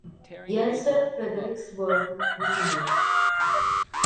Jensen (Frederiksborg Museum).